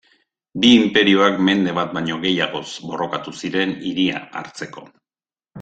Bi inperioak mende bat baino gehiagoz borrokatu ziren hiria hartzeko.